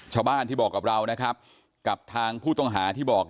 ชาวบ้านที่บอกกับเรานะครับกับทางผู้ต้องหาที่บอก